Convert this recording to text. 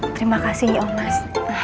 terima kasih nyi oh mas